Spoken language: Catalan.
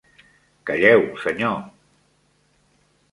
Calleu, senyor!